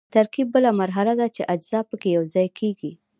ترکیب بله مرحله ده چې اجزا پکې یوځای کیږي.